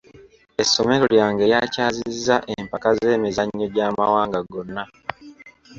Essomero lyange lyakyazizza empaka z'emizannyo gy'amawanga gonna.